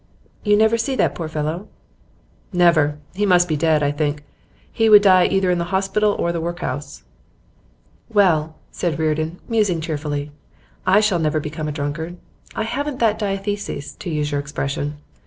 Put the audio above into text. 'You never see that poor fellow?' 'Never. He must be dead, I think. He would die either in the hospital or the workhouse.' 'Well,' said Reardon, musing cheerfully, 'I shall never become a drunkard; I haven't that diathesis, to use your expression.